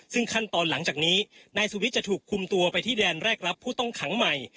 ซึ่งขั้นตอนหลังจากนี้นายสุวิทย์จะถูกคุมตัวไปที่แดนแรกรับผู้ต้องขังใหม่